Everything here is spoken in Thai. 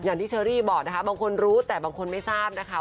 เชอรี่บอกนะคะบางคนรู้แต่บางคนไม่ทราบนะคะ